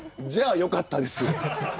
じゃあよかったです。